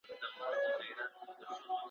ډېر هوښیار وو په خپل عقل خامتماوو `